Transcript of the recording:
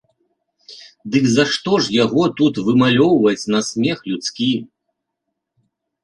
Дык за што ж яго тут вымалёўваць на смех людскі?